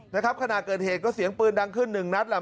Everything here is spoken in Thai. นะครับขณะเกิดเหตุก็เสียงปืนดังขึ้นหนึ่งนัดแหละ